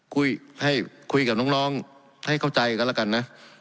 คุยให้คุยกับน้องให้เข้าใจกันแล้วกันนะ